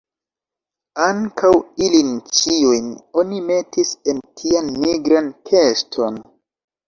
Ankaŭ ilin ĉiujn oni metis en tian nigran keston.